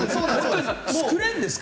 作れるんですか？